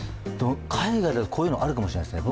海外だと、こういうのあるかもしれないですね。